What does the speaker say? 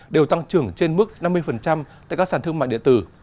đều tăng trưởng trên mức năm mươi tại các sản thương mại điện tử